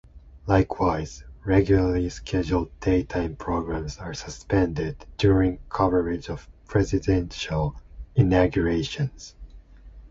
Likewise, regularly scheduled daytime programs are suspended during coverage of presidential inaugurations.